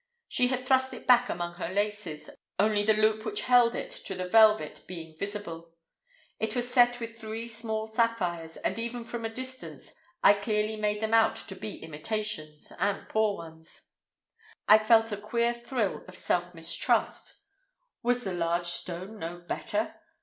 She had thrust it back among her laces, only the loop which held it to the velvet being visible. It was set with three small sapphires, and even from a distance I clearly made them out to be imitations, and poor ones. I felt a queer thrill of self mistrust. Was the large stone no better?